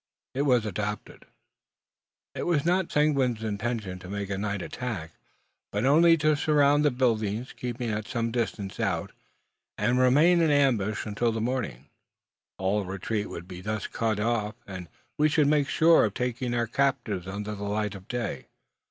It was adopted. It was not Seguin's intention to make a night attack, but only to surround the buildings, keeping at some distance out, and remain in ambush till the morning. All retreat would thus be cut off, and we should make sure of taking our captives under the light of day.